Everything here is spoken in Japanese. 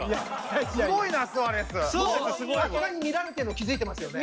さすがに見られてるの気付いてますよね。